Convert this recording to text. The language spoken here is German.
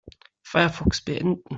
Firefox beenden.